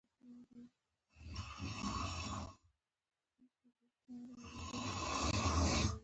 احمد تل په غم کې له خلکو سره خواخوږي کوي.